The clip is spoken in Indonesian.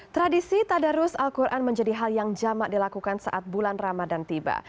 tradisi tadarus al quran menjadi hal yang jamak dilakukan saat bulan ramadan tiba